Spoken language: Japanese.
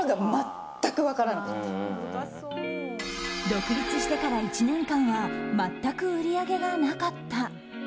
独立してから１年間は全く売り上げがなかった。